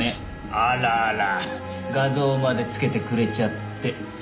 あらあら画像まで付けてくれちゃって。